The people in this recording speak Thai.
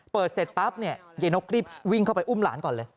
เปิดเสร็จปั๊บใยนกรีบวิ่งเข้าไปอุ้มหลานก่อนเลย